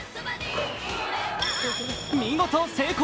見事成功！